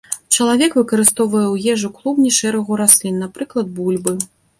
Чалавек выкарыстоўвае ў ежу клубні шэрагу раслін, напрыклад, бульбы.